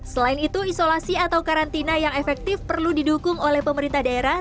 selain itu isolasi atau karantina yang efektif perlu didukung oleh pemerintah daerah